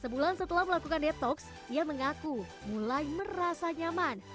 sebulan setelah melakukan detox dia mengaku mulai merasa nyaman